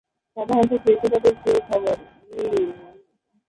সাধারণতঃ কেঁচো তাদের প্রিয় খাবার।